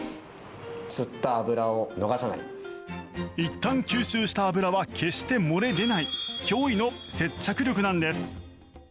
いったん吸収した油は決して漏れ出ない驚異の接着力なんです。